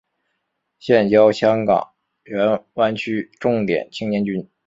现教香港荃湾区重点青年军。